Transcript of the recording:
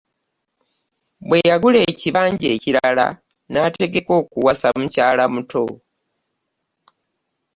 Bwe yagula ekibanja ekirala n'ategeka okuwasa mukyala muto.